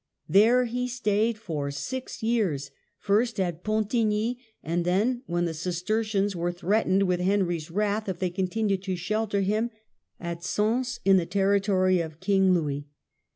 There he stayed for six years, first at Pontigny and then — when the Cistercians were threatened with Henry's wrath if they continued to shelter him — ^at Sens, MURDER OF BECKET. 23 in the territory of King Louis.